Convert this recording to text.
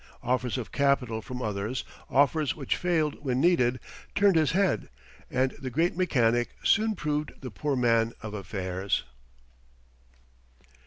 Offers of capital from others offers which failed when needed turned his head, and the great mechanic soon proved the poor man of affairs.